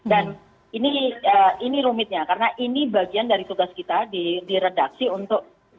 dan ini rumitnya karena ini bagian dari tugas kita di redaksi untuk